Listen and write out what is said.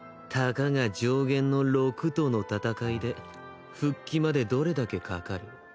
たかが上弦の陸との戦いで復帰までどれだけかかる？